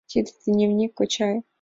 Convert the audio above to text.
— Тиде дневник, кочай.